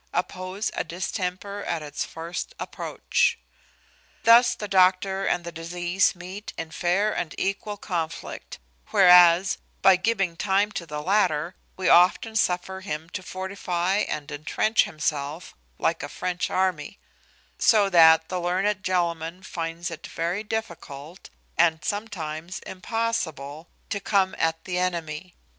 _ "Oppose a distemper at its first approach." Thus the doctor and the disease meet in fair and equal conflict; whereas, by giving time to the latter, we often suffer him to fortify and entrench himself, like a French army; so that the learned gentleman finds it very difficult, and sometimes impossible, to come at the enemy.